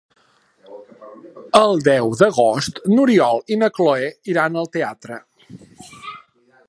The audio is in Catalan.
El deu d'agost n'Oriol i na Cloè iran al teatre.